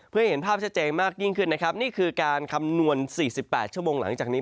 เพื่อให้เห็นภาพชัดเจนมากยิ่งขึ้นนะครับนี่คือการคำนวณ๔๘ชั่วโมงหลังจากนี้